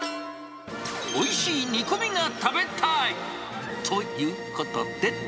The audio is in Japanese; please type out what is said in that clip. おいしい煮込みが食べたーい！ということで。